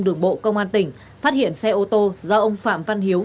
đường bộ công an tỉnh phát hiện xe ô tô do ông phạm văn hiếu